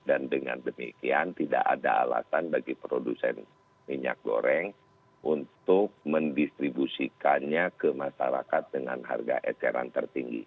dan dengan demikian tidak ada alasan bagi produsen minyak goreng untuk mendistribusikannya ke masyarakat dengan harga eceran tertinggi